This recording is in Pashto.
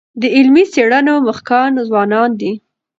د علمي څېړنو مخکښان ځوانان دي.